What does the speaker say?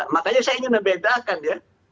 makanya saya ingin membedakan ya